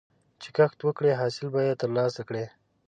چې کښت وکړې، حاصل به یې ترلاسه کړې.